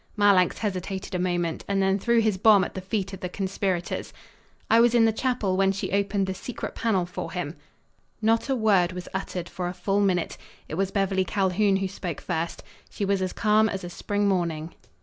Marlanx hesitated a moment, and then threw his bomb at the feet of the conspirators. "I was in the chapel when she opened the secret panel for him." Not a word was uttered for a full minute. It was Beverly Calhoun who spoke first. She was as calm as a spring morning.